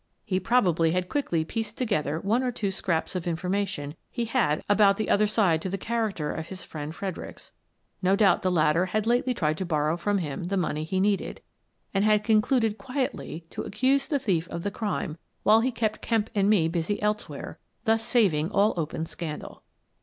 He prob ably had quickly pieced together one or two scraps of information he had about the other side to the character of his friend Fredericks — no doubt the latter had lately tried to borrow from him the money he needed — and had concluded quietly to accuse the thief of the crime, while he kept Kemp and me busy elsewhere, thus saving all open scandal.